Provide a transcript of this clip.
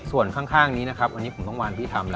ส่วนข้างนี้นะครับวันนี้ผมต้องวานพี่ทำเลย